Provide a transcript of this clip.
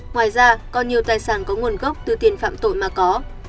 ngoài ra còn nhiều tài sản có nguồn gốc từ tiền phạm tội mà có